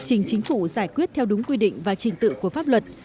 trình chính phủ giải quyết theo đúng quy định và trình tự của pháp luật